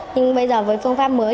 nhưng bây giờ với phương pháp mới thì